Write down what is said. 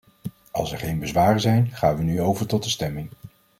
Als er geen bezwaren zijn, gaan we nu over tot de stemming.